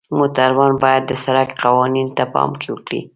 موټروان باید د سړک قوانینو ته پام وکړي.